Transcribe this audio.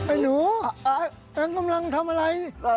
ไอ้หนูแม่งกำลังทำอะไรนี่